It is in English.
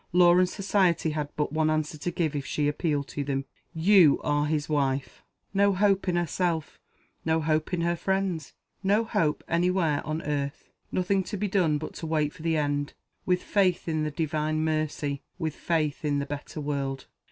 Law and Society had but one answer to give, if she appealed to them You are his wife. No hope in herself; no hope in her friends; no hope any where on earth. Nothing to be done but to wait for the end with faith in the Divine Mercy; with faith in the better world.